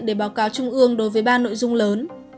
để báo cáo trung ương đối với ba nội dung lớn